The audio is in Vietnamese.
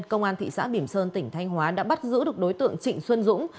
công an thị xã bìm sơn tỉnh thanh hóa đã bắt giữ được đối tượng trịnh xuân dũng